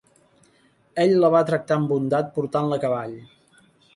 Ell la va tractar amb bondat portant-la a cavall.